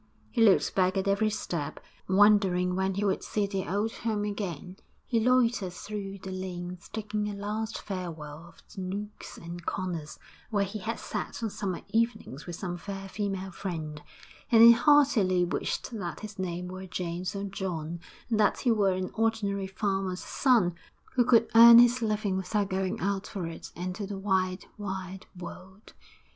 He looked back at every step, wondering when he would see the old home again. He loitered through the lanes, taking a last farewell of the nooks and corners where he had sat on summer evenings with some fair female friend, and he heartily wished that his name were James or John, and that he were an ordinary farmer's son who could earn his living without going out for it into the wide, wide world.